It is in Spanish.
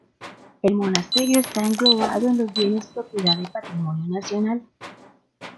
El monasterio está englobado en los bienes propiedad de Patrimonio Nacional.